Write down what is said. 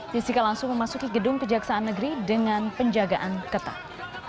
jessica langsung memasuki gedung kejaksaan negeri dengan penjagaan ketat